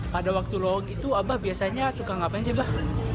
pada waktu lowong itu abah biasanya suka ngapain sih bah